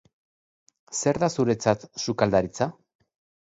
Zer da zuretzat sukaldaritza?